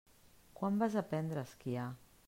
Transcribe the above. Quan vas aprendre a esquiar?